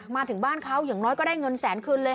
มาถึงบ้านเขาอย่างน้อยก็ได้เงินแสนคืนเลย